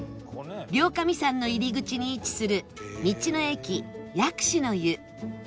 両神山の入り口に位置する道の駅薬師の湯